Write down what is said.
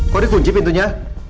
kok dikunci pintunya